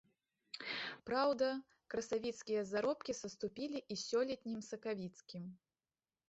Праўда, красавіцкія заробкі саступілі і сёлетнім сакавіцкім.